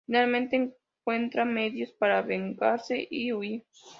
Finalmente encuentra medios para vengarse y huir.